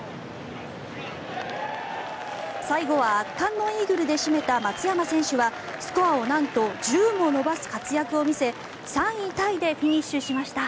最後は圧巻のイーグルで締めた松山選手はスコアをなんと１０も伸ばす活躍を見せ３位タイでフィニッシュしました。